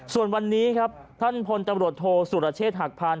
ส่วนวันนี้ครับท่านพลตำรวจโทษสุรเชษฐหักพาน